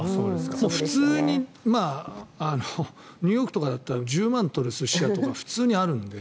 普通にニューヨークとかだったら１０万円取る寿司屋とか普通にあるので。